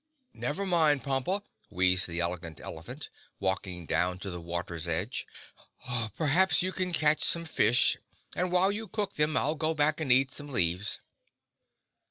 "Never mind, Pompa," wheezed the Elegant Elephant, walking down to the water's edge, "perhaps you can catch some fish, and while you cook them I'll go back and eat some leaves."